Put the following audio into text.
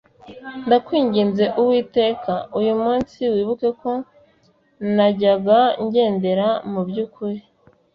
ndakwinginze uwiteka, uyu munsi wibuke ko najyaga ngendera mu by'ukuri